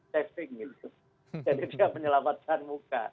jadi dia menyelamatkan muka